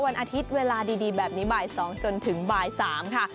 วันอาทิตย์เวลาดีแบบนี้บ่าย๒จนถึงบ่าย๓ค่ะ